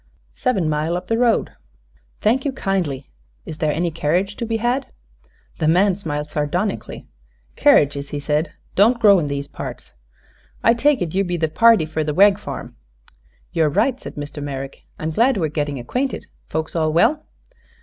"Sev'n mile up the road." "Thank you kindly. Is there any carriage to be had?" The man smiled sardonically. "Kerridges," he said, "don't grow in these parts. I take it you be the party fer the Wegg farm." "You're right," said Mr. Merrick. "I'm glad we are getting acquainted. Folks all well?"